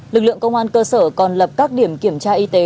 lực lượng công an cơ sở còn lập các điểm kiểm tra y tế